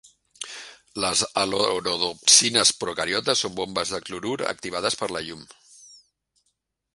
Les halorodopsines procariotes són bombes de clorur activades per la llum.